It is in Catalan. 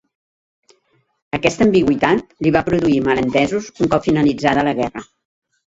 Aquesta ambigüitat li va produir malentesos un cop finalitzada la guerra.